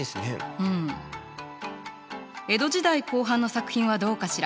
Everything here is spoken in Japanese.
うん江戸時代後半の作品はどうかしら？